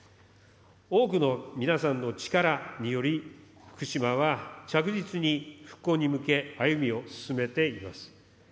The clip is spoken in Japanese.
多くの皆さんの力により、福島は着実に、復興に向け、歩みを進めています。